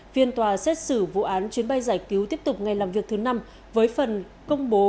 viên tòa xét xử vụ án chuyến bay giải cứu tiếp tục ngày làm việc thứ năm với phần công bố